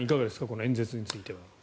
この演説については。